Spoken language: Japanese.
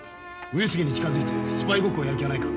上杉に近づいてスパイごっこをやる気はないか？